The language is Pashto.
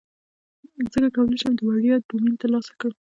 څنګه کولی شم د وړیا ډومین ترلاسه کړم